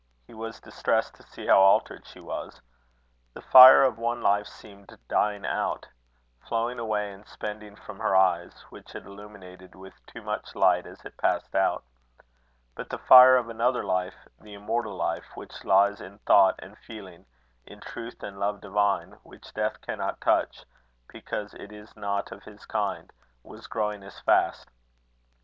He was distressed to see how altered she was. The fire of one life seemed dying out flowing away and spending from her eyes, which it illuminated with too much light as it passed out. But the fire of another life, the immortal life, which lies in thought and feeling, in truth and love divine, which death cannot touch, because it is not of his kind, was growing as fast.